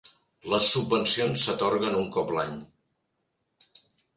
Les subvencions s'atorguen un cop l'any.